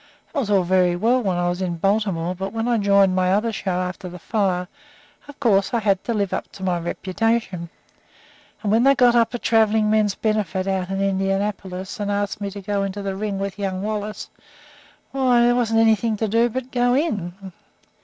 That was all very well while I was in Baltimore; but when I joined my other show after the fire, of course I had to live up to my reputation. And when they got up a traveling men's benefit out in Indianapolis and asked me to go into the ring with Young Wallace, why, there wasn't anything to do but go in.